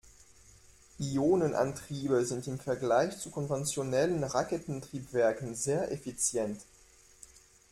Ionenantriebe sind im Vergleich zu konventionellen Raketentriebwerken sehr effizient.